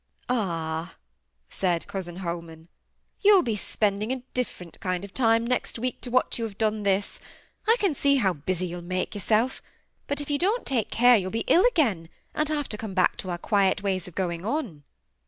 "Ah!" said cousin Holman, "you'll be spending a different kind of time next week to what you have done this! I can see how busy you'll make yourself! But if you don't take care you'll be ill again, and have to come back to our quiet ways of going on.